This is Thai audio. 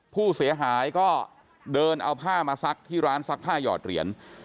ผู้เสียหายก็เดินเอาผ้ามาซักที่ร้านซักผ้าหยอดเหรียญ